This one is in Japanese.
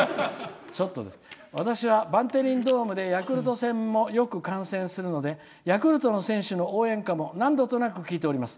「私は、バンテリンドームでヤクルト戦もよく観戦するのでヤクルトの選手の応援歌も何度となく聴いています。